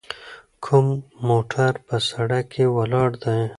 کوم موټر په سړک کې ولاړ دی؟